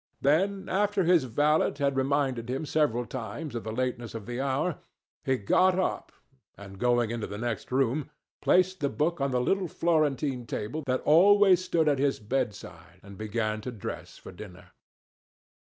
Then, after his valet had reminded him several times of the lateness of the hour, he got up, and going into the next room, placed the book on the little Florentine table that always stood at his bedside and began to dress for dinner.